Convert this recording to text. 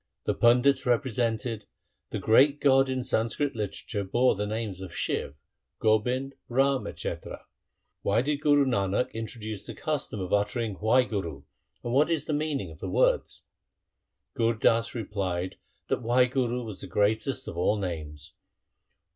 1 The pandits represented, ' The great God in Sanskrit literature bore the names Shiv, Gobind, Ram, &c. Why did Guru Nanak introduce the custom of uttering Wahguru and what is the meaning of the words ?' Gur Das replied that Wahguru was the greatest of all names.